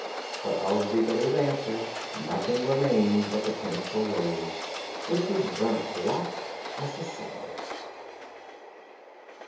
But of the little dancer nothing remained but the tinsel rose, which was burnt black as a cinder.